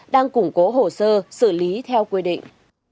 đang củng cố hồ sơ xử lý theo quy định